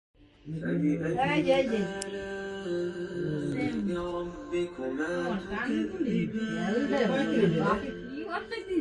He appeared in numerous productions at the Court Theatre and the Body Politic Theatre.